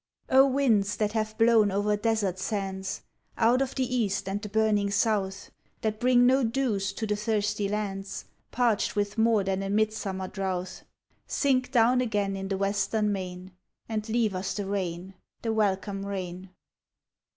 WINDS that have blown over desert sands, Out of the east and the burning south, That bring no dews to the thirsty lands Parched with more than a midsummer drouth, Sink down again in the western main, And leave us the rain— the welcome rain.